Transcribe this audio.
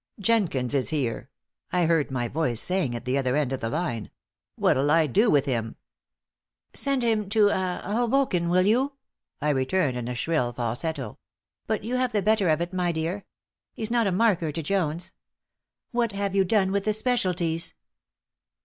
"Jenkins is here." I heard my voice saying at the other end of the line. "What'll I do with him?" "Send him to ah Hoboken, will you?" I returned, in a shrill falsetto. "But you have the better of it, my dear. He's not a marker to Jones. What have you done with the specialties?"